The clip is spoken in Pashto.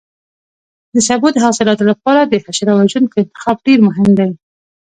د سبو د حاصلاتو لپاره د حشره وژونکو انتخاب ډېر مهم دی.